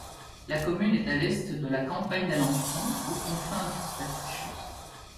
La commune est à l'est de la campagne d’Alençon, aux confins du Perche.